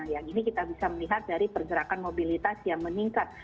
yang ini kita bisa melihat dari pergerakan mobilitas yang meningkat